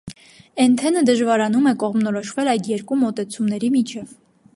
Էնթենը դժվարանում է կողմնորոշվել այդ երկու մոտեցումների միջև։